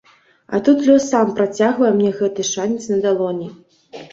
А тут лёс сам працягвае мне гэты шанец на далоні.